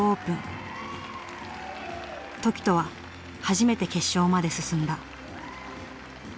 凱人は初めて決勝まで進んだ。